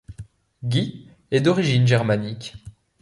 Guy est d'origine germanique.